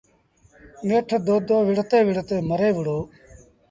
نيٺ دودو وڙهتي وڙهتي مري وُهڙو۔